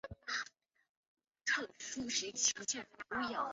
台视稍后曾于不同时段重播本作品。